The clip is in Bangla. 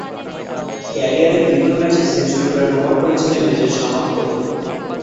ক্যারিয়ারের দ্বিতীয় ম্যাচেই সেঞ্চুরি করে প্রমাণ করেছিলেন নিজের সামর্থ্য।